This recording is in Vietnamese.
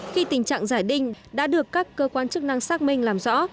khi tình trạng giải đinh đã được các cơ quan chức năng xác minh làm rõ